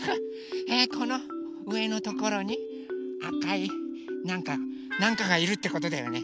えこのうえのところにあかいなんかなんかがいるってことだよね？